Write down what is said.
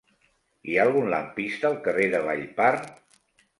Hi ha algun lampista al carrer de Vallpar?